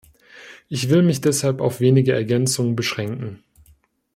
Ich will mich deshalb auf wenige Ergänzungen beschränken.